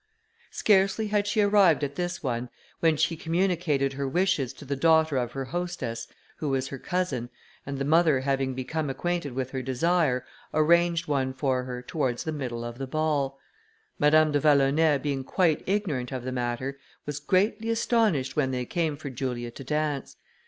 Scarcely had she arrived at this one, when she communicated her wishes to the daughter of her hostess, who was her cousin, and the mother having become acquainted with her desire, arranged one for her, towards the middle of the ball. Madame de Vallonay being quite ignorant of the matter, was greatly astonished when they came for Julia to dance.